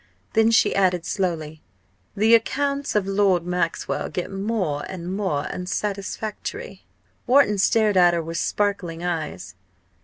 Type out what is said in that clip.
Then she added slowly, "The accounts of Lord Maxwell get more and more unsatisfactory." Wharton stared at her with sparkling eyes.